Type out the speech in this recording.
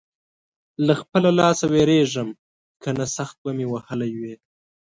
له خپله لاسه وېرېږم؛ که نه سخت به مې وهلی وې.